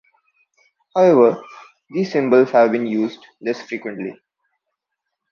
However, these symbols have been used less frequently.